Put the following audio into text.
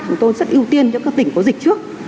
chúng tôi rất ưu tiên cho các tỉnh có dịch trước